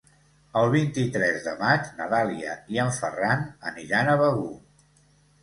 El vint-i-tres de maig na Dàlia i en Ferran aniran a Begur.